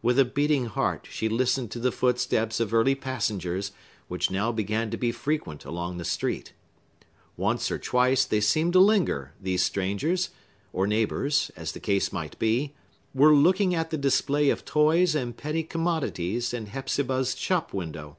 With a beating heart, she listened to the footsteps of early passengers, which now began to be frequent along the street. Once or twice they seemed to linger; these strangers, or neighbors, as the case might be, were looking at the display of toys and petty commodities in Hepzibah's shop window.